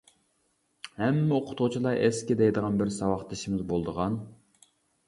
ھەممە ئوقۇتقۇچىلار ئەسكى دەيدىغان بىر ساۋاقدىشىمىز بولىدىغان.